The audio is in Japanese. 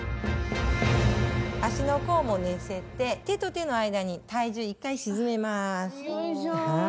足の甲も寝せて手と手の間に体重一回沈めます。